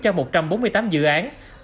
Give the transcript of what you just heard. cho một trăm bốn mươi tám dự án